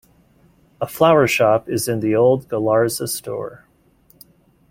A flower shop is in the old Galarza store.